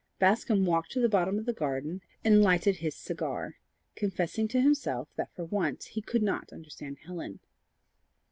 Bascombe walked to the bottom of the garden and lighted his cigar, confessing to himself that for once he could not understand Helen.